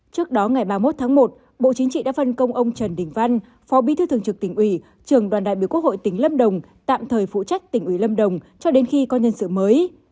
trước đó ngày ba mươi một tháng một bộ chính trị đã phân công ông trần đình văn phó bí thư thường trực tỉnh ủy trường đoàn đại biểu quốc hội tỉnh lâm đồng tạm thời phụ trách tỉnh ủy lâm đồng cho đến khi có nhân sự mới